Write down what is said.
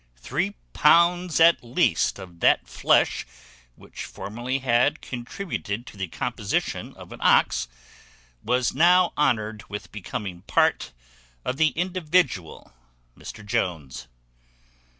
Three pounds at least of that flesh which formerly had contributed to the composition of an ox was now honoured with becoming part of the individual Mr Jones.